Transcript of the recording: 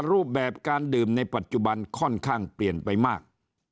รูปแบบการดื่มในปัจจุบันค่อนข้างเปลี่ยนไปมาก